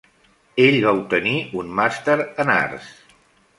Ell va obtenir un Màster en Arts.